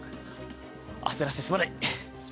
焦らせてすまない。